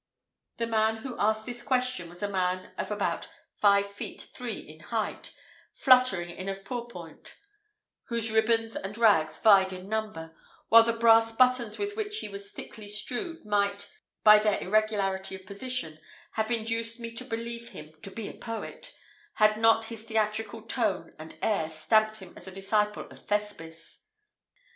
The person who asked this question was a man of about five feet three in height, fluttering in a pourpoint, whose ribands and rags vied in number, while the brass buttons with which it was thickly strewed might, by their irregularity of position, have induced me to believe him to be a poet, had not his theatrical tone and air stamped him as a disciple of Thespis.